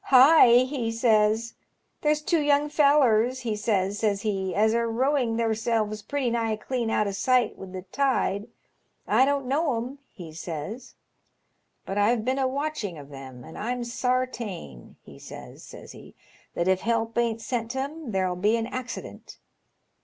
* Hi !' he says, ' there's two young fellars,' he says, says he, * as are rowing theirselves pretty nigh clean out o' sight with the tide. I don't know 'em,' he ^LONGSHOnEMAirS TASN8. 153 Bays, ' but I've been a watching of them, and Fm sartain,* he says, says he, ' that if help ain't sent to 'em there'll be an accident.